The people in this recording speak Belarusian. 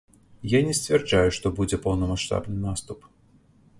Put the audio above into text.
Я не сцвярджаю, што будзе поўнамаштабны наступ.